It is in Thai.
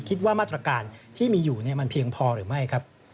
คิดว่ามาตรการที่มีอยู่มันเพียงพอหรือไม่ครับ